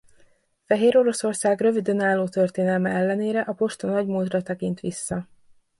Fehéroroszország rövid önálló történelme ellenére a posta nagy múltra tekint vissza.